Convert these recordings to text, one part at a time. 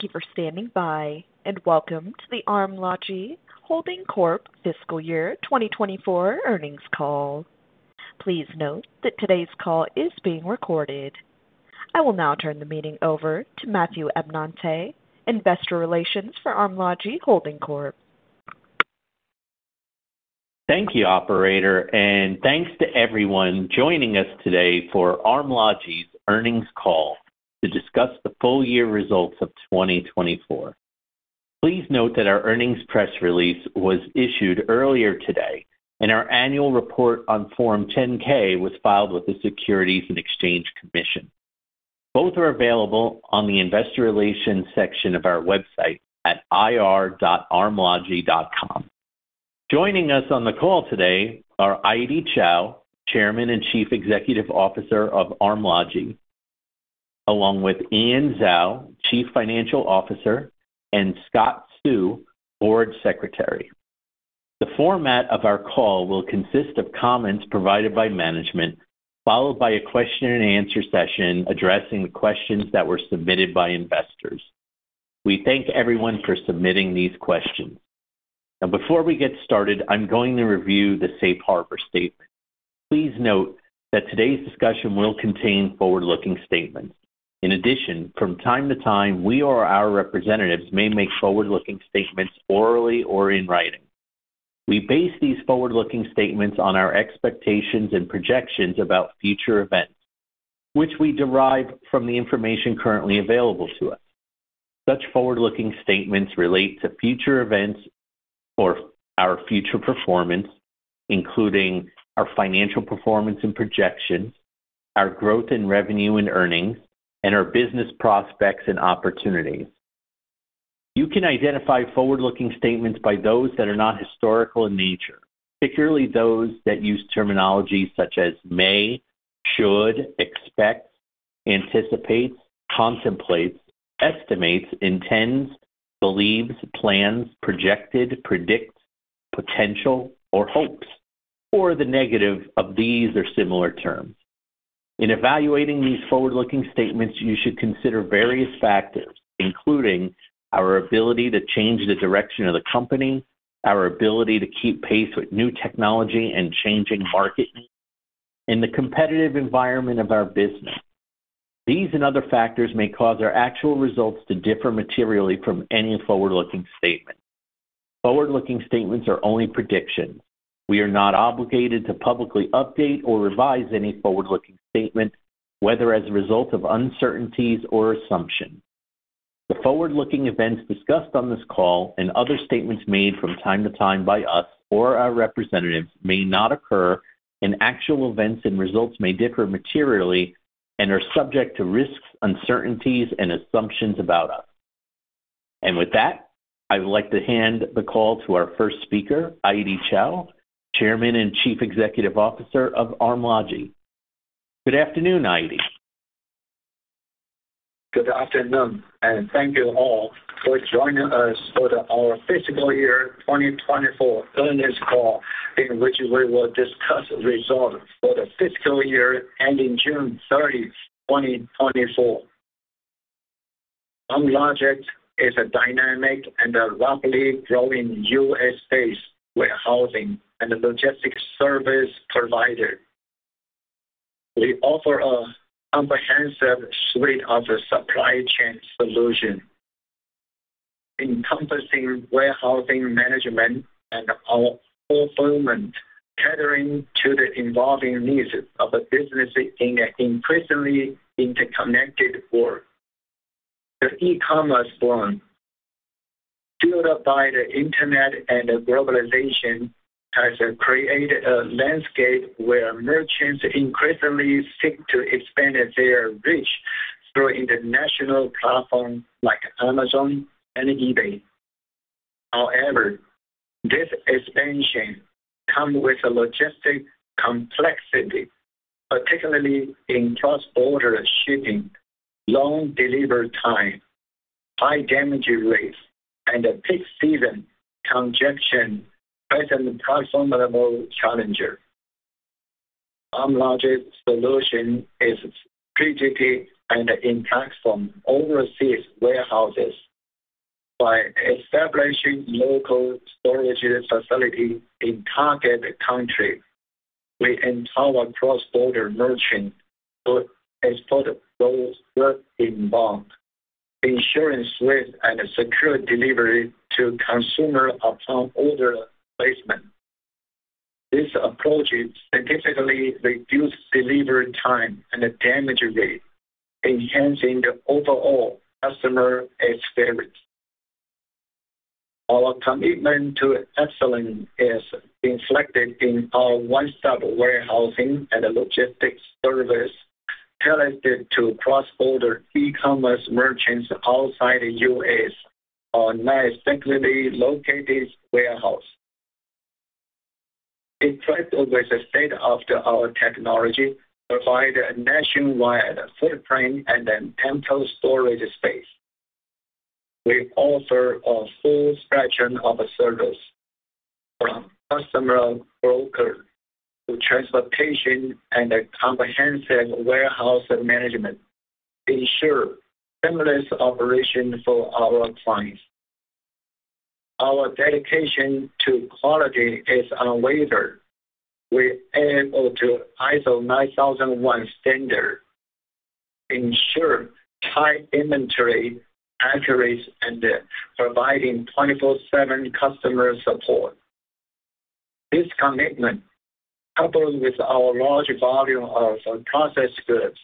Thank you for standing by, and welcome to the Armlogi Holding Corp fiscal year 2024 earnings call. Please note that today's call is being recorded. I will now turn the meeting over to Matthew Abenante, Investor Relations for Armlogi Holding Corp. Thank you, operator, and thanks to everyone joining us today for Armlogi earnings call to discuss the full year results of 2024. Please note that our earnings press release was issued earlier today, and our annual report on Form 10-K was filed with the Securities and Exchange Commission. Both are available on the investor relations section of our website at ir.armlogi.com. Joining us on the call today are Aidy Chou, Chairman and Chief Executive Officer of Armlogi, along with Ian Zhou, Chief Financial Officer, and Scott Hsu, Board Secretary. The format of our call will consist of comments provided by management, followed by a question and answer session addressing the questions that were submitted by investors. We thank everyone for submitting these questions. Now, before we get started, I'm going to review the safe harbor statement. Please note that today's discussion will contain forward-looking statements. In addition, from time to time, we or our representatives may make forward-looking statements orally or in writing. We base these forward-looking statements on our expectations and projections about future events, which we derive from the information currently available to us. Such forward-looking statements relate to future events or our future performance, including our financial performance and projections, our growth in revenue and earnings, and our business prospects and opportunities. You can identify forward-looking statements by those that are not historical in nature, particularly those that use terminology such as may, should, expect, anticipate, contemplate, estimates, intends, believes, plans, projected, predict, potential, or hopes, or the negative of these or similar terms. In evaluating these forward-looking statements, you should consider various factors, including our ability to change the direction of the company, our ability to keep pace with new technology and changing market needs, and the competitive environment of our business. These and other factors may cause our actual results to differ materially from any forward-looking statement. Forward-looking statements are only predictions. We are not obligated to publicly update or revise any forward-looking statement, whether as a result of uncertainties or assumption. The forward-looking events discussed on this call and other statements made from time to time by us or our representatives may not occur, and actual events and results may differ materially and are subject to risks, uncertainties, and assumptions about us. And with that, I would like to hand the call to our first speaker, Aidy Chou, Chairman and Chief Executive Officer of Armlogi. Good afternoon, Aidy. Good afternoon, and thank you all for joining us for our fiscal year 2024 earnings call, in which we will discuss results for the fiscal year ending June 30,2024. Armlogi is a dynamic and a rapidly growing U.S.-based warehousing and logistics service provider. We offer a comprehensive suite of supply chain solution, encompassing warehousing, management, and fulfillment, catering to the evolving needs of the business in an increasingly interconnected world. The e-commerce boom, fueled by the internet and globalization, has created a landscape where merchants increasingly seek to expand their reach through international platforms like Amazon and eBay. However, this expansion come with a logistic complexity, particularly in cross-border shipping, long delivery time, high damage rates, and a peak season congestion as an transferable challenger. Armlogi solution is strategic and impacts from overseas warehouses. By establishing local storage facility in target country, we empower cross-border merchants to export those goods in bulk, ensuring swift and secure delivery to consumer upon order placement. This approach significantly reduce delivery time and the damage rate, enhancing the overall customer experience. Our commitment to excellence is reflected in our one-stop warehousing and logistics service, tailored to cross-border e-commerce merchants outside the U.S., our strategically located warehouse. Equipped with the state-of-the-art technology, provide a nationwide footprint and then temporary storage space. We offer a full spectrum of service, customer broker to transportation and a comprehensive warehouse management ensure seamless operation for our clients. Our dedication to quality is unwavere. We able to ISO-9001 standard ensure tight inventory, accuracy, and providing 24/7 customer support. This commitment, coupled with our large volume of processed goods,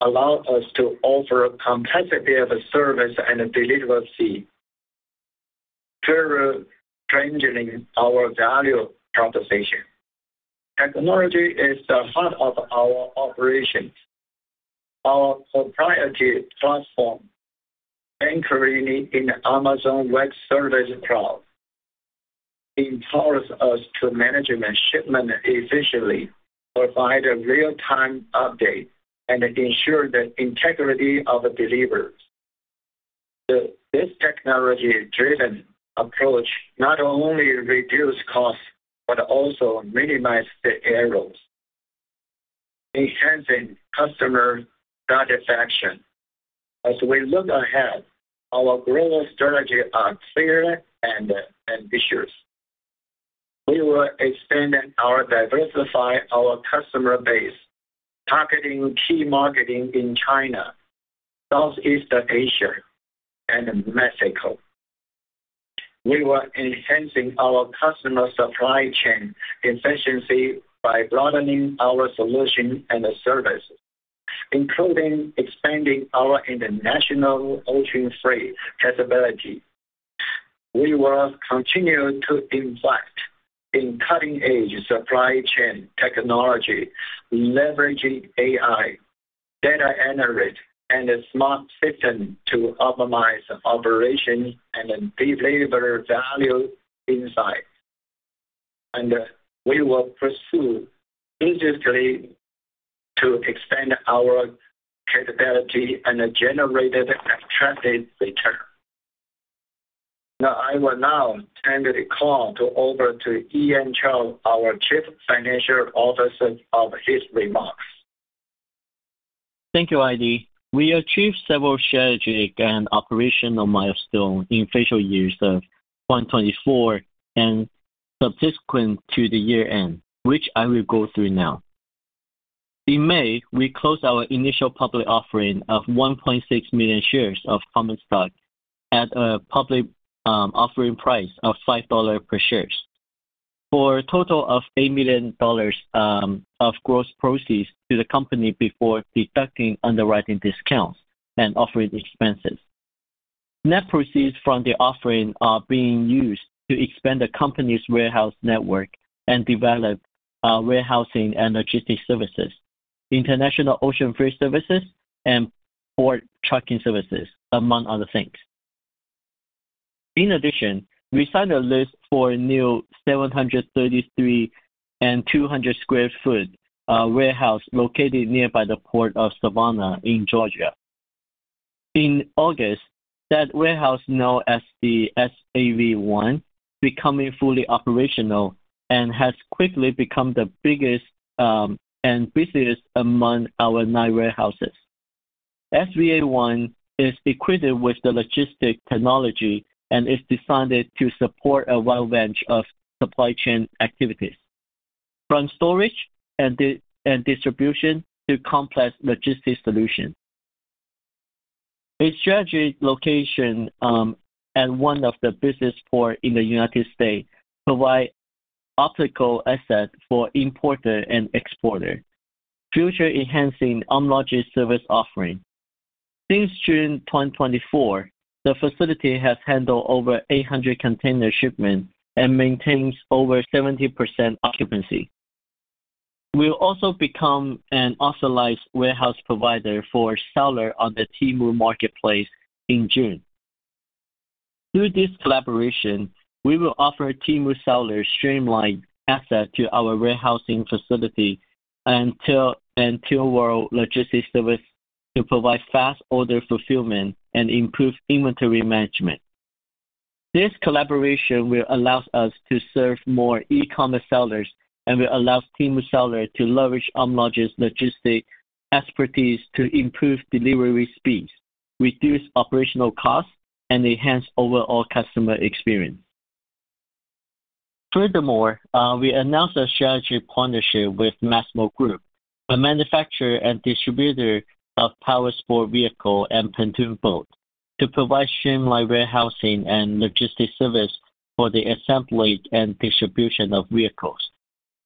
allow us to offer competitive service and deliverability, further strengthening our value proposition. Technology is the heart of our operations. Our proprietary platform, anchoring in Amazon Web Services cloud, empowers us to manage shipment efficiently, provide a real-time update, and ensure the integrity of the deliveries. This technology-driven approach not only reduce costs, but also minimize the errors, enhancing customer satisfaction. As we look ahead, our growth strategy are clear and, and ambitious. We will expand and our diversify our customer base, targeting key markets in China, Southeast Asia, and Mexico. We are enhancing our customer supply chain efficiency by broadening our solution and services, including expanding our international ocean freight capability. We will continue to invest in cutting-edge supply chain technology, leveraging AI, data analytics, and a smart system to optimize operations and deliver value insight, and we will pursue diligently to expand our capability and generate attractive return. Now, I will now turn the call over to Ian Zhou, our Chief Financial Officer, of his remarks. Thank you, Aidy. We achieved several strategic and operational milestone in fiscal years of 2024 and subsequent to the year-end, which I will go through now. In May, we closed our initial public offering of 1.6 million shares of common stock at a public offering price of $5 per share, for a total of $8 million of gross proceeds to the company before deducting underwriting discounts and offering expenses. Net proceeds from the offering are being used to expand the company's warehouse network and develop warehousing and logistics services, international ocean freight services, and port trucking services, among other things. In addition, we signed a lease for a new 733,200 sq ft warehouse located nearby the Port of Savannah in Georgia. In August, that warehouse, known as the SAV1, became fully operational and has quickly become the biggest and busiest among our nine warehouses. SAV1 is equipped with the logistics technology and is designed to support a wide range of supply chain activities, from storage and distribution to complex logistics solutions. A strategic location and one of the busiest ports in the United States provide optimal access for importers and exporters, further enhancing Armlogi logistics service offering. Since June 2024, the facility has handled over 800 container shipments and maintains over 70% occupancy. We've also become an authorized warehouse provider for sellers on the Temu marketplace in June. Through this collaboration, we will offer Temu sellers streamlined access to our warehousing facility and end-to-end logistics service to provide fast order fulfillment and improve inventory management. This collaboration will allow us to serve more e-commerce sellers and will allow Temu seller to leverage Armlogi logistics expertise to improve delivery speeds, reduce operational costs, and enhance overall customer experience. Furthermore, we announced a strategic partnership with Massimo Group, a manufacturer and distributor of powersport vehicle and pontoon boat, to provide streamlined warehousing and logistics service for the assembly and distribution of vehicles,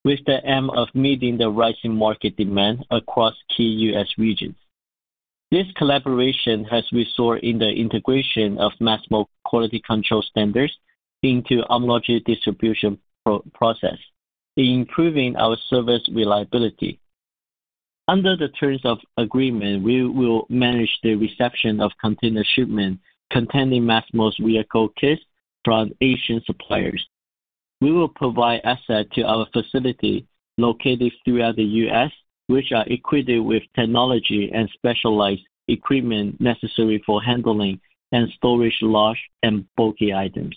with the aim of meeting the rising market demand across key U.S. regions. This collaboration has resulted in the integration of Massimo quality control standards into Armlogi distribution process, improving our service reliability. Under the terms of agreement, we will manage the reception of container shipments containing Massimo's vehicle kits from Asian suppliers. We will provide access to our facility located throughout the U.S., which are equipped with technology and specialized equipment necessary for handling and storage large and bulky items,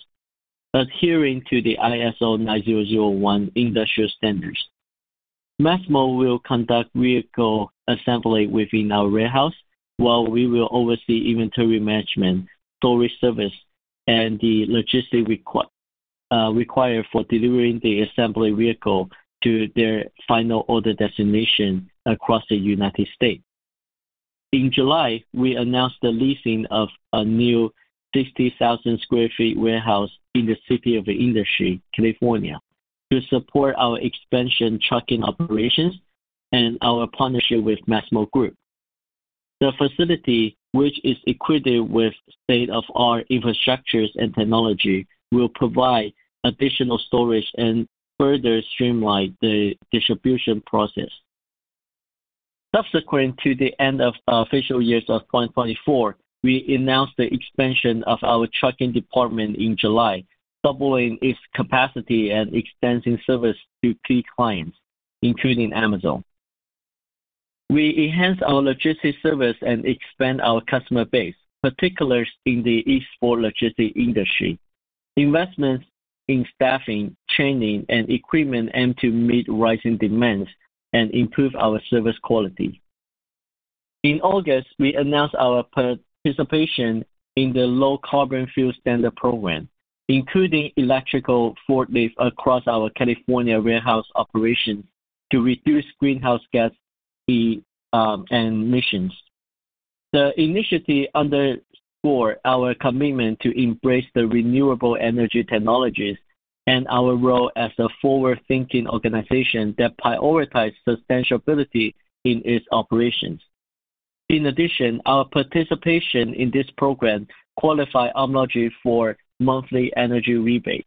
adhering to the ISO 9001 industrial standards. Massimo will conduct vehicle assembly within our warehouse, while we will oversee inventory management, storage service, and the logistic required for delivering the assembly vehicle to their final order destination across the United States. In July, we announced the leasing of a new 60,000 sq ft warehouse in the City of Industry, California, to support our expansion trucking operations and our partnership with Massimo Group. The facility, which is equipped with state-of-the-art infrastructures and technology, will provide additional storage and further streamline the distribution process. Subsequent to the end of our fiscal years of 2024, we announced the expansion of our trucking department in July, doubling its capacity and extending service to key clients, including Amazon. We enhance our logistics service and expand our customer base, particularly in the e-sport logistics industry. Investments in staffing, training, and equipment aim to meet rising demands and improve our service quality. In August, we announced our participation in the Low Carbon Fuel Standard program, including electrical forklift across our California warehouse operations to reduce greenhouse gas emissions. The initiative underscore our commitment to embrace the renewable energy technologies and our role as a forward-thinking organization that prioritize sustainability in its operations. In addition, our participation in this program qualify Armlogi for monthly energy rebate.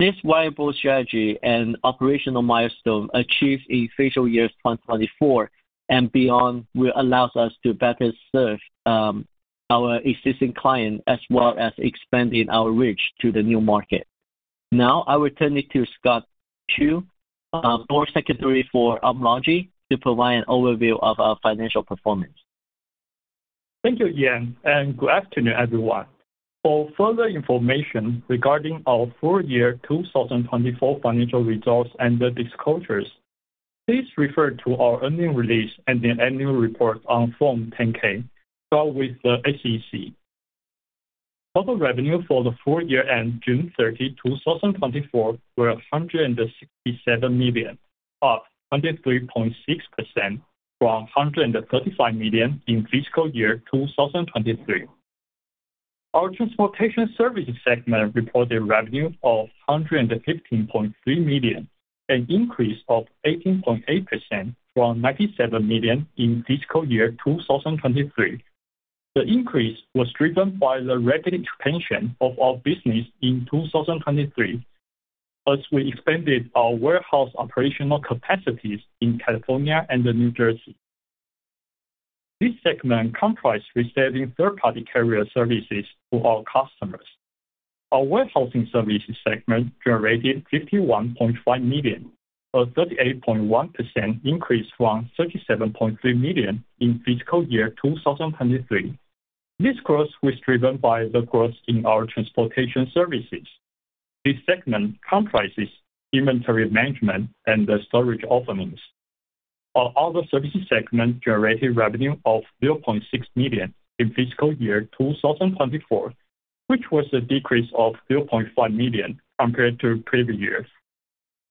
This viable strategy and operational milestone achieved in fiscal year 2024 and beyond, will allows us to better serve, our existing clients as well as expanding our reach to the new market. Now, I will turn it to Scott Hsu, Board Secretary for Armlogi, to provide an overview of our financial performance. Thank you, Yan, and good afternoon, everyone. For further information regarding our full year ended June 30, 2024 financial results and the disclosures, please refer to our earnings release and the annual report on Form 10-K filed with the SEC. Total revenue for the full year ended June 30, 2024, were $167 million, up 103.6% from $135 million in fiscal year 2023. Our transportation services segment reported revenue of $115.3 million, an increase of 18.8% from $97 million in fiscal year 2023. The increase was driven by the rapid expansion of our business in 2023, as we expanded our warehouse operational capacities in California and New Jersey. This segment comprise providing third-party carrier services to our customers. Our warehousing services segment generated $51.5 million, a 38.1% increase from $37.3 million in fiscal year 2023. This growth was driven by the growth in our transportation services. This segment comprises inventory management and the storage offerings. Our other services segment generated revenue of $0.6 million in fiscal year 2024, which was a decrease of $0.5 million compared to previous years.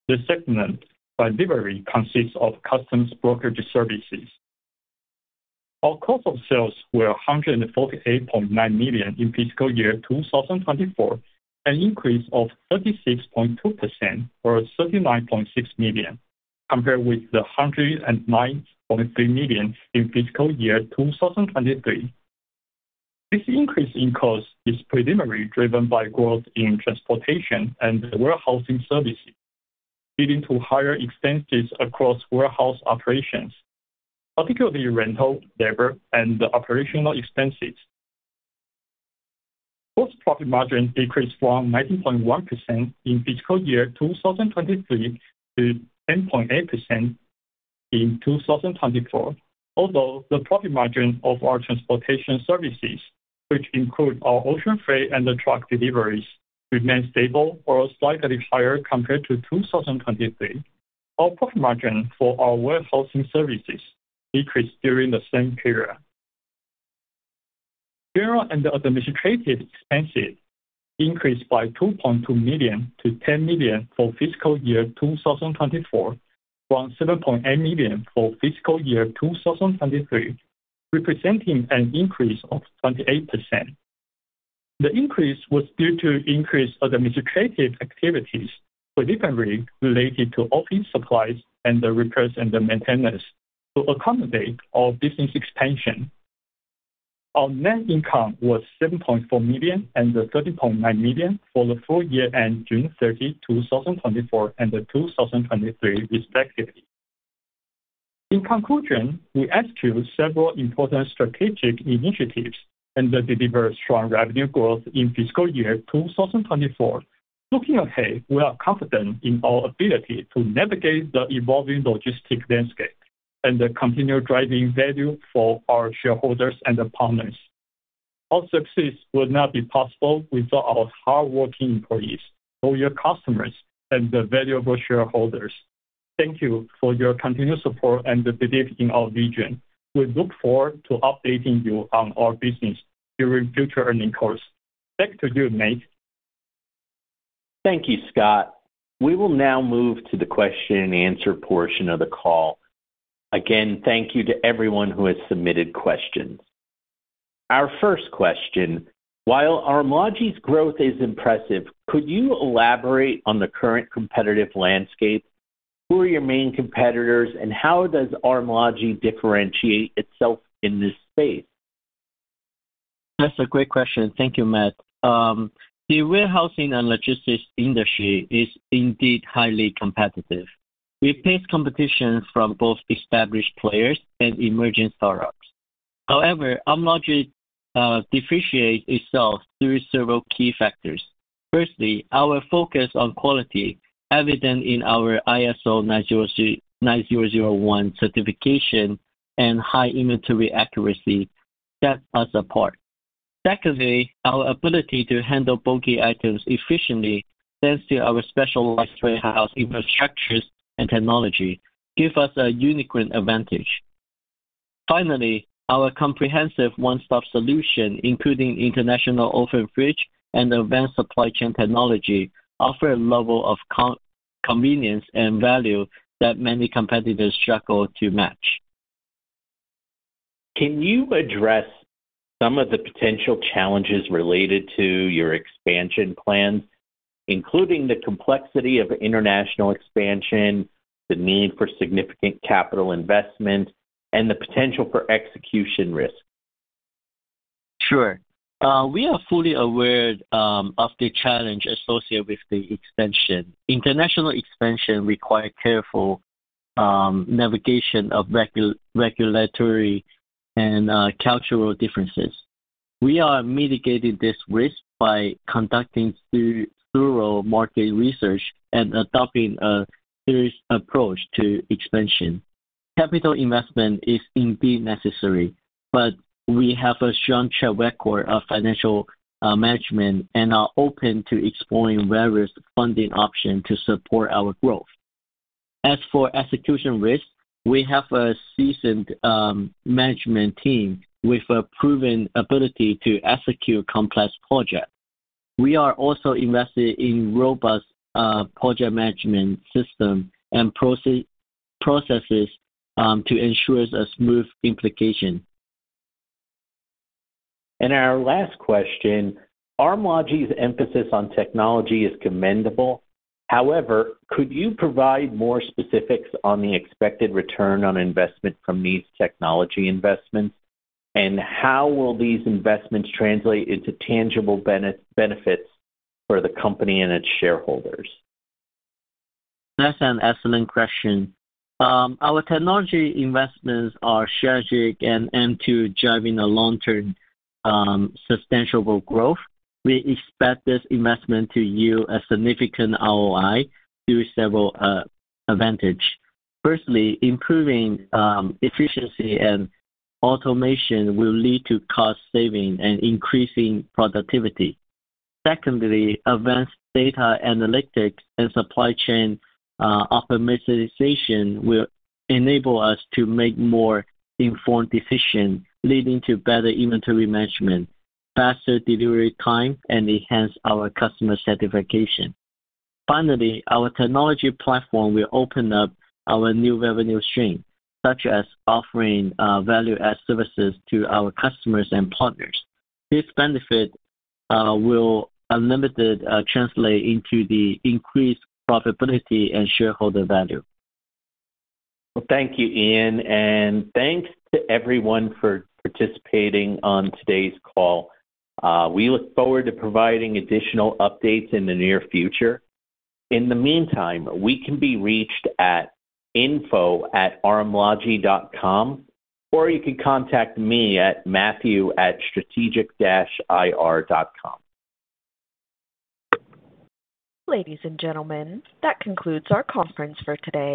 The segment, by delivery, consists of customs brokerage services. Our cost of sales were $148.9 million in fiscal year 2024, an increase of 36.2%, or $39.6 million, compared with the $109.3 million in fiscal year 2023. This increase in cost is primarily driven by growth in transportation and warehousing services, leading to higher expenses across warehouse operations, particularly rental, labor, and the operational expenses. Gross profit margin decreased from 19.1% in fiscal year 2023 to 10.8% in 2024. Although the profit margin of our transportation services, which include our ocean freight and the truck deliveries, remained stable or slightly higher compared to 2023. Our profit margin for our warehousing services decreased during the same period. General and administrative expenses increased by $2.2 million-$10 million for fiscal year 2024, from $7.8 million for fiscal year 2023, representing an increase of 28%. The increase was due to increased administrative activities, specifically related to office supplies and the repairs and the maintenance to accommodate our business expansion. Our net income was $7.4 million and $30.9 million for the full year ended June 30, 2024 and 2023, respectively. In conclusion, we execute several important strategic initiatives and deliver strong revenue growth in fiscal year 2024. Looking ahead, we are confident in our ability to navigate the evolving logistics landscape and continue driving value for our shareholders and partners. Our success would not be possible without our hardworking employees, loyal customers, and the valuable shareholders. Thank you for your continued support and the belief in our vision. We look forward to updating you on our business during future earnings calls. Back to you, Matt. Thank you, Scott. We will now move to the question and answer portion of the call. Again, thank you to everyone who has submitted questions. Our first question: While Armlogi growth is impressive, could you elaborate on the current competitive landscape? Who are your main competitors, and how does Armlogi differentiate itself in this space? That's a great question. Thank you, Matt. The warehousing and logistics industry is indeed highly competitive. We face competition from both established players and emerging startups. However, Armlogi differentiate itself through several key factors. Firstly, our focus on quality, evident in our ISO 9001 certification and high inventory accuracy, sets us apart. Secondly, our ability to handle bulky items efficiently, thanks to our specialized warehouse infrastructures and technology, give us a unique advantage. Finally, our comprehensive one-stop solution, including international over freight and advanced supply chain technology, offer a level of convenience and value that many competitors struggle to match. Can you address some of the potential challenges related to your expansion plans, including the complexity of international expansion, the need for significant capital investment, and the potential for execution risk? Sure. We are fully aware of the challenge associated with the expansion. International expansion require careful navigation of regulatory and cultural differences. We are mitigating this risk by conducting thorough market research and adopting a serious approach to expansion. Capital investment is indeed necessary, but we have a strong track record of financial management and are open to exploring various funding option to support our growth. As for execution risk, we have a seasoned management team with a proven ability to execute complex project. We are also invested in robust project management system and processes to ensure a smooth implementation. Our last question. Armlogi's emphasis on technology is commendable. However, could you provide more specifics on the expected return on investment from these technology investments? How will these investments translate into tangible benefits for the company and its shareholders? That's an excellent question. Our technology investments are strategic and aim at driving a long-term sustainable growth. We expect this investment to yield a significant ROI through several advantages. Firstly, improving efficiency and automation will lead to cost savings and increasing productivity. Secondly, advanced data analytics and supply chain optimization will enable us to make more informed decisions, leading to better inventory management, faster delivery times, and enhanced customer satisfaction. Finally, our technology platform will open up new revenue streams, such as offering value-added services to our customers and partners. These benefits will ultimately translate into increased profitability and shareholder value. Thank you, Ian, and thanks to everyone for participating on today's call. We look forward to providing additional updates in the near future. In the meantime, we can be reached at info@armlogi.com, or you can contact me at matthew@strategic-ir.com. Ladies and gentlemen, that concludes our conference for today.